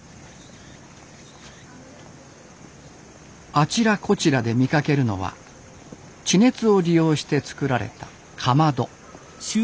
あちらこちらで見かけるのは地熱を利用して作られたかまど。